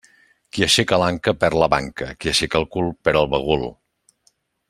Qui aixeca l'anca perd la banca, qui aixeca el cul perd el bagul.